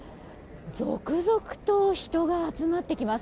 続々と人が集まってきます。